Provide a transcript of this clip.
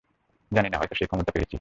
জানি না, হয়তো সেই ক্ষমতা পেয়েছি।